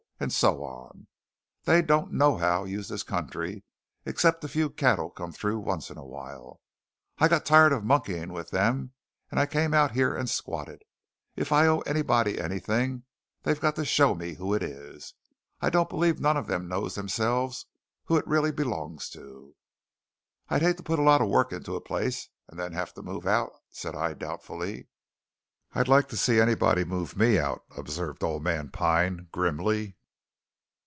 And so on. They don't nohow use this country, except a few cattle comes through once in a while. I got tired of monkeying with them and I came out here and squatted. If I owe anybody anything, they got to show me who it is. I don't believe none of them knows themselves who it really belongs to." "I'd hate to put a lot of work into a place, and then have to move out," said I doubtfully. "I'd like to see anybody move me out!" observed old man Pine grimly.